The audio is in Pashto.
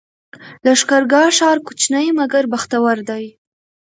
لښکرګاه ښار کوچنی مګر بختور دی